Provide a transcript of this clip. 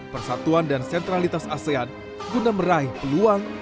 persatuan dan sentralitas asean guna meraih peluang